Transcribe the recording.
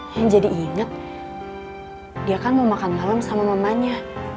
yang jadi inget dia kan mau makan malam sama mamanya